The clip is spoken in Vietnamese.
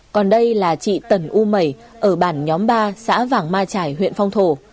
còn đây là chị tần u mẩy ở bản nhóm ba xã vàng ma trải huyện phong thổ